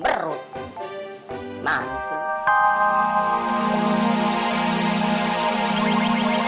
terima kasih banyak om